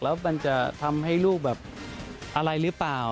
แล้วมันจะทำให้ลูกแบบอะไรหรือเปล่า